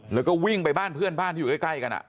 แล้วก็วิ่งไปบ้านเพื่อนบ้านที่อยู่ใกล้กัน